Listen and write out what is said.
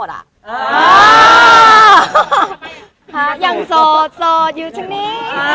หาอย่างโสดอยู่ชจุงนี้